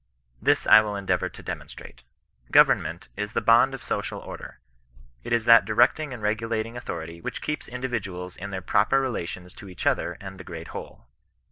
This I will en deavour to demonstrate. Government is the bond of social order. It is that directing and regulating autho rity which keeps individuals in their proper relations to each other and the great whole.